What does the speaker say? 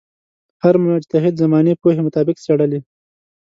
هر مجتهد زمانې پوهې مطابق څېړلې.